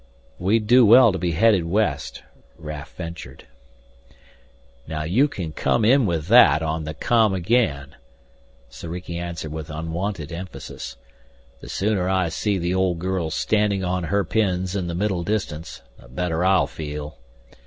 "We'd do well to be headed west," Raf ventured. "Now you can come in with that on the com again!" Soriki answered with unwonted emphasis. "The sooner I see the old girl standing on her pins in the middle distance, the better I'll feel.